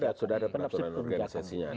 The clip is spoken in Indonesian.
sudah ada sudah ada pendaturan organisasi